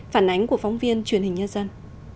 phản ánh của phóng viên truyền hình nhân dân